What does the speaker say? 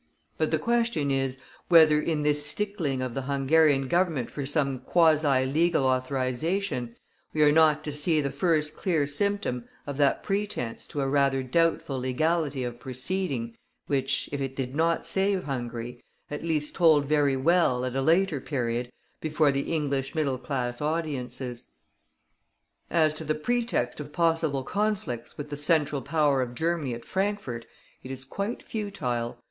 But the question is, whether in this stickling of the Hungarian government for some quasi legal authorization, we are not to see the first clear symptom of that pretence to a rather doubtful legality of proceeding, which, if it did not save Hungary, at least told very well, at a later period, before the English middle class audiences. As to the pretext of possible conflicts with the central power of Germany at Frankfort, it is quite futile.